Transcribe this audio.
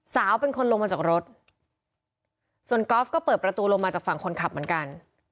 สาวเป็นคนลงมาจากรถส่วนกอล์ฟก็เปิดประตูลงมาจากฝั่งคนขับเหมือนกัน